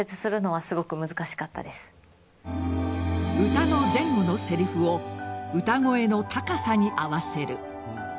歌の前後のせりふを歌声の高さに合わせる。